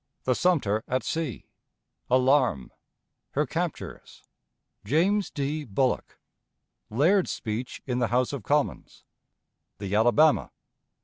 The Sumter at Sea. Alarm. Her Captures. James D. Bullock. Laird's Speech in the House of Commons. The Alabama.